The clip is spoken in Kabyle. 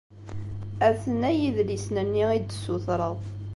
Aten-a yidlisen-nni i d-tessutreḍ.